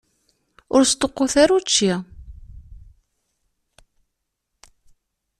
Ur sṭuqqut ara učči.